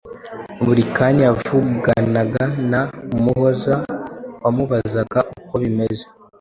buri kanya yavuganaga na Umuhoza wamubazaga uko bimeze.